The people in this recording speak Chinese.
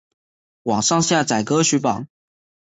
网上下载歌曲榜